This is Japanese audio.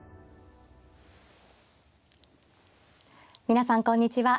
皆さんこんにちは。